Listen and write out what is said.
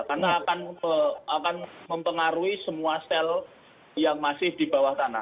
karena akan mempengaruhi semua sel yang masih di bawah tanah